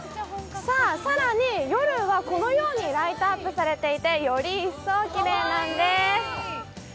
更に、夜はこのようにライトアップされていてより一層きれいなんです。